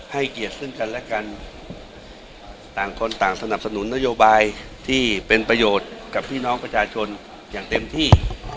เกียรติซึ่งกันและกันต่างคนต่างสนับสนุนนโยบายที่เป็นประโยชน์กับพี่น้องประชาชนอย่างเต็มที่